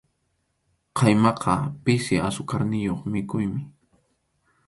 Qʼaymaqa pisi asukarniyuq mikhuymi.